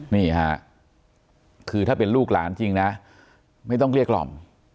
นี่ค่ะคือถ้าเป็นลูกหลานจริงนะไม่ต้องเกลี้ยกล่อม